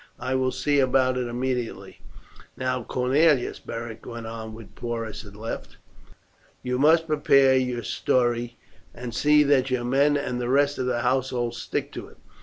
I will see about it immediately." "Now, Cornelius," Beric went on when Porus had left, "you must prepare your story, and see that your men and the rest of the household stick to it.